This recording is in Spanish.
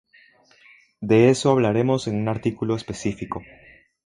de eso hablaremos en un artículo específico